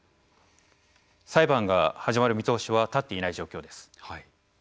裁判が始まる見通しは立っていない状況です。